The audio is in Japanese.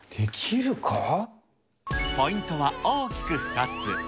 ポイントは大きく２つ。